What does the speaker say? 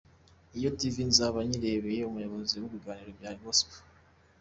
Iyo Tv nzaba nyibereye umuyobozi mu biganiro bya Gospel.